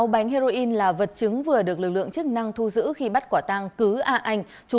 sáu bánh heroin là vật chứng vừa được lực lượng chức năng thu giữ khi bắt quả tang cứ a anh